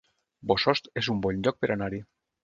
Bossòst es un bon lloc per anar-hi